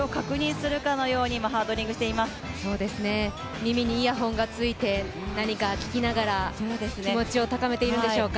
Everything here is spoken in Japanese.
耳にイヤホンがついて何か聴きながら気持ちを高めているんでしょうか？